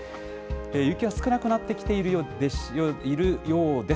雪は少なくなってきているようです。